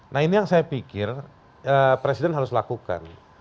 nah ini yang saya pikir presiden harus lakukan